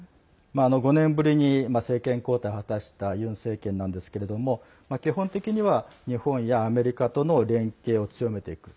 ５年ぶりに政権交代を果たしたユン政権なんですけれども基本的には日本やアメリカとの連携を強めていく。